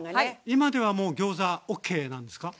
今ではもうギョーザＯＫなんですか？